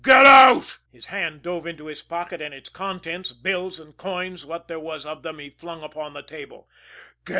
Get out!" His hand dove into his pocket, and its contents, bills and coins, what there was of them, he flung upon the table.